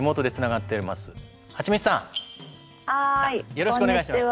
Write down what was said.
よろしくお願いします。